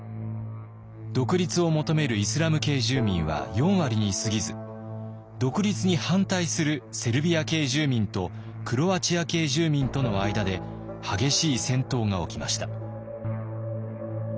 独立を求めるイスラム系住民は４割にすぎず独立に反対するセルビア系住民とクロアチア系住民との間で激しい戦闘が起きました。